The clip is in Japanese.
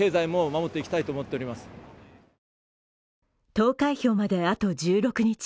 投開票まであと１６日。